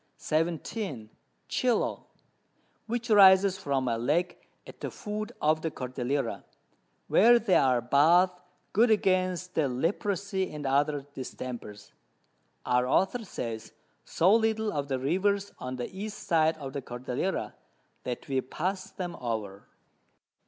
17. Chilo, which rises from a Lake at the Foot of the Cordillera, where there are Baths good against the Leprosy and other Distempers. Our Author says so little of the Rivers on the East side of the Cordillera, that we pass them over.